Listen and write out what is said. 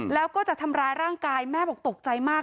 แล้วก็จะทำร้ายร่างกายแม่บอกตกใจมาก